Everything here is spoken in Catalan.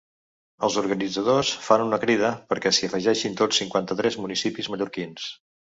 Els organitzadors fan una crida perquè s’hi afegeixin tots cinquanta-tres municipis mallorquins.